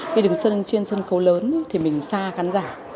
khi đứng trên sân khấu lớn thì mình xa khán giả